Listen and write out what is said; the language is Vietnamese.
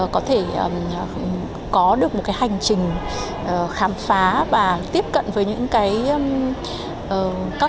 có thể có được một cái hành trình khám phá và tiếp cận với những cái các cái hình thức nghệ thuật